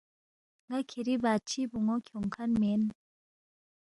”ن٘ا کِھری بادشی بون٘و کھیونگ کھن مین